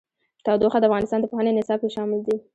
تودوخه د افغانستان د پوهنې نصاب کې شامل دي.